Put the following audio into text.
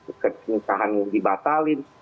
nah ini kangen dibatalin